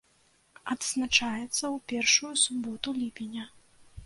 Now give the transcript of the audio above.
Адзначаецца ў першую суботу ліпеня.